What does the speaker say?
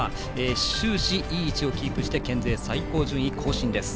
終始いい位置をキープして県勢最高順位を更新です。